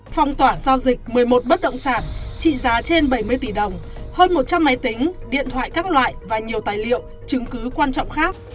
phong tỏa giao dịch một mươi một bất động sản trị giá trên bảy mươi tỷ đồng hơn một trăm linh máy tính điện thoại các loại và nhiều tài liệu chứng cứ quan trọng khác